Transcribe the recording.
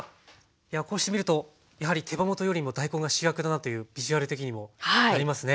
こうして見るとやはり手羽元よりも大根が主役だなというビジュアル的にもなりますね。